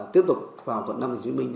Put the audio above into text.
tiếp tục vào quận năm nghệ chí minh